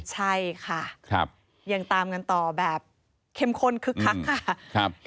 ใช่ค่ะยังตามกันต่อแบบเข้มข้นคึกคักค่ะ